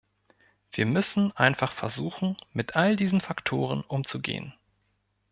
Wir müssen einfach versuchen, mit all diesen Faktoren umzugehen.